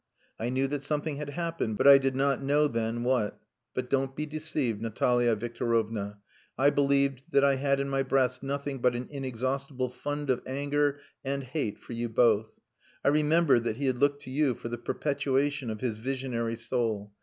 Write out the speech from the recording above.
I knew that something had happened, but I did not know then what.... But don't be deceived, Natalia Victorovna. I believed that I had in my breast nothing but an inexhaustible fund of anger and hate for you both. I remembered that he had looked to you for the perpetuation of his visionary soul.